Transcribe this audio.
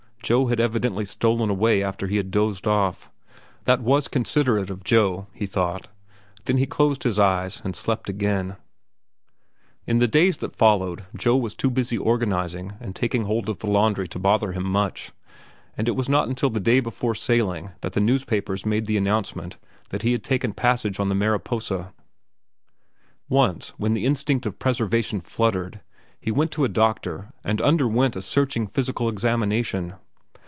Joe had evidently stolen away after he had dozed off. That was considerate of Joe, he thought. Then he closed his eyes and slept again. In the days that followed Joe was too busy organizing and taking hold of the laundry to bother him much; and it was not until the day before sailing that the newspapers made the announcement that he had taken passage on the Mariposa. Once, when the instinct of preservation fluttered, he went to a doctor and underwent a searching physical examination.